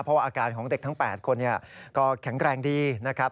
เพราะว่าอาการของเด็กทั้ง๘คนก็แข็งแรงดีนะครับ